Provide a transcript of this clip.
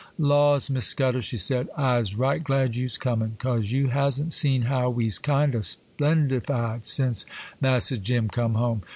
'Laws, Miss Scudder,' she said, 'I's right glad you's comin', 'cause you hasn't seen how we's kind o' splendified since Massa Jim come home.